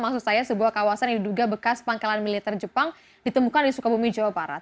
maksud saya sebuah kawasan yang diduga bekas pangkalan militer jepang ditemukan di sukabumi jawa barat